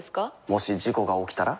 もし事故が起きたら？